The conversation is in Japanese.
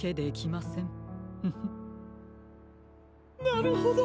なるほど。